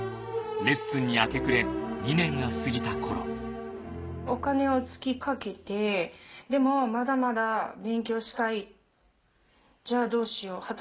レッスンに明け暮れ２年が過ぎた頃お金をつきかけてでもまだまだ勉強したいじゃあどうしよう？